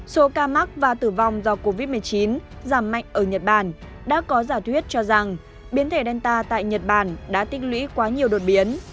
số ca mắc và tử vong do covid một mươi chín giảm mạnh ở nhật bản đã có giả thuyết cho rằng biến thể delta tại nhật bản đã tích lũy quá nhiều đột biến